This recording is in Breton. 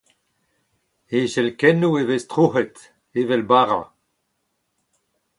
E jelkennoù e vez troc’het, evel bara.